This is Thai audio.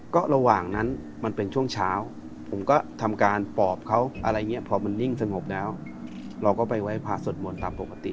ก็ระหว่างนั้นมันเป็นช่วงเช้าผมก็ทำการปอบเขาอะไรอย่างนี้พอมันนิ่งสงบแล้วเราก็ไปไว้ผ่าสวดมนต์ตามปกติ